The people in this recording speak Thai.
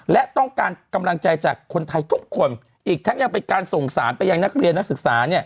และต้องการกำลังใจจากคนไทยทุกคนอีกทั้งยังเป็นการส่งสารไปยังนักเรียนนักศึกษา